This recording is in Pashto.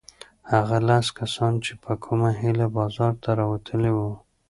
هغه لس کسان چې په کومه هیله بازار ته راوتلي وو؟